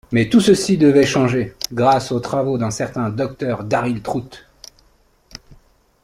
Mais tout ceci devait changer, grâce aux travaux d'un certain Docteur Darrill Trout.